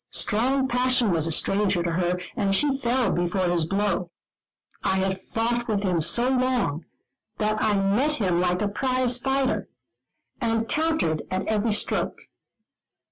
Strong Passion was a stranger to her, and she fell before his blow. I had fought with him so long, that I met him like a prize fighter, and countered at every stroke.